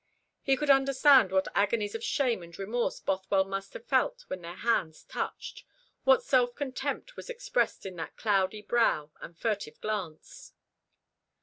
He could understand what agonies of shame and remorse Bothwell must have felt when their hands touched, what self contempt was expressed in that cloudy brow and furtive glance.